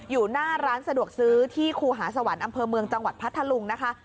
อยู่หน้าร้านสะดวกซื้อที่ครูหาสวรรค์อำเภอเมืองจังหวัดพัทธลุงนะคะ